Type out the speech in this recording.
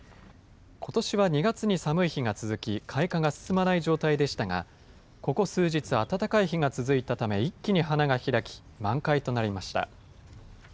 ことしは２月に寒い日が続き、開花が進まない状態でしたが、ここ数日、暖かい日が続いたため、一気に花が開き、満開となりました。